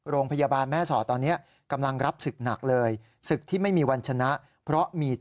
โรงพยาบาลแม่สอตอนนี้